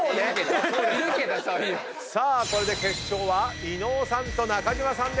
さあこれで決勝は伊野尾さんと中島さんです。